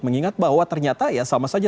mengingat bahwa ternyata ya sama saja